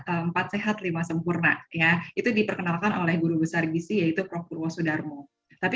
empat sehat lima sempurna ya itu diperkenalkan oleh guru besar gisi yaitu prof purwo sudarmo tapi